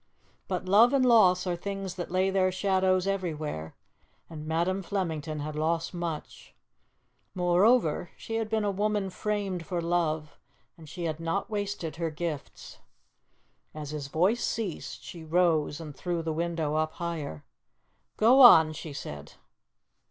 But love and loss are things that lay their shadows everywhere, and Madam Flemington had lost much; moreover, she had been a woman framed for love, and she had not wasted her gifts. As his voice ceased, she rose and threw the window up higher. "Go on," she said.